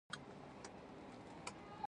پولي تورم خلک بې وزله کوي.